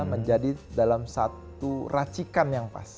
menjadi dalam satu racikan yang pas